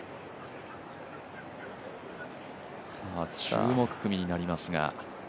注目組になりますが。